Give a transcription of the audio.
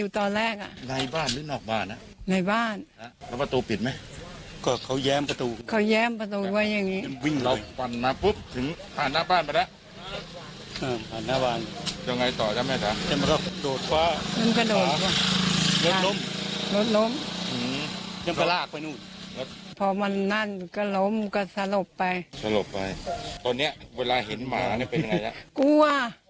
ตอนนี้เวลาเห็นมันนี่เป็นไงกลัว